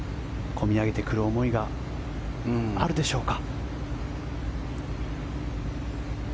込み上げてくる思いがあるでしょうか。